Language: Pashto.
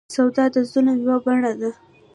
سود د ظلم یوه بڼه ده.